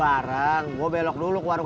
udah gue ngujurin